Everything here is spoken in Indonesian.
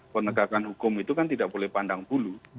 penegakan hukum itu kan tidak boleh pandang bulu